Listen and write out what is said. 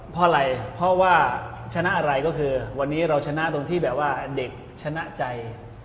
เพราะอะไรเพราะว่าชนะอะไรก็คือวันนี้เราชนะตรงที่แบบว่าเด็กชนะใจ